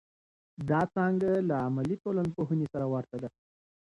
دا څانګه له عملي ټولنپوهنې سره ورته ده.